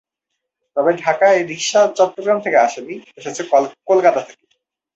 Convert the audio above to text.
তবে ঢাকায় রিকশা চট্টগ্রাম থেকে আসেনি; এসেছে কলকাতা থেকে।